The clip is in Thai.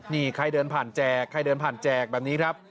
นี่ใครเดินผ่านแจกใครเดินผ่านแจกแบบนี้ครับ